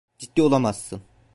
Ciddi olamazsın.